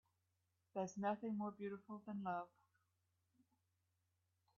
There's nothing more beautiful than love.